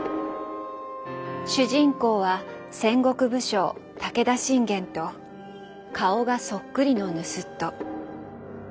主人公は戦国武将武田信玄と顔がそっくりの盗人。